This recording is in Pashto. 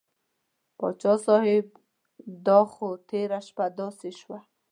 پاچا صاحب دا خو تېره شپه داسې شوه.